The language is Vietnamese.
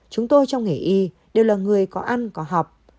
chúng tôi trong nghề y đều là người có ăn có học